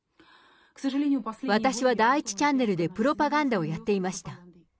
私は第１チャンネルでプロパガンダをやっていました。